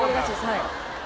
はい